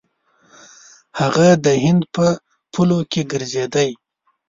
هغه د هند په پولو کې ګرځېدی.